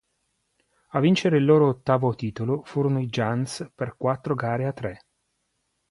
A vincere il loro ottavo titolo furono i Giants per quattro gare a tre.